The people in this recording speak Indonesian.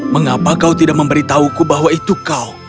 mengapa kau tidak memberitahuku bahwa itu kau